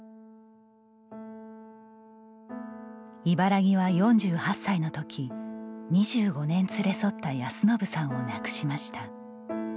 茨木は４８歳の時２５年連れ添った安信さんを亡くしました。